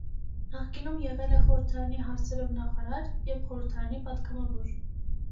Նախկինում եղել է խորհրդարանի հարցերով նախարար և խորհրդարանի պատգամավոր։